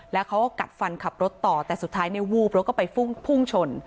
แล้วเขาก็กัดฟันขับรถต่อแต่สุดท้ายเนี่ยวูบแล้วก็ไปพุ่งชน